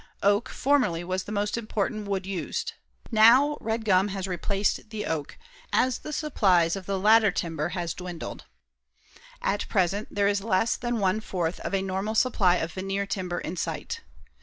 Oak formerly was the most important wood used. Now red gum has replaced the oak, as the supplies of the latter timber have dwindled. At present there is less than one fourth of a normal supply of veneer timber in sight.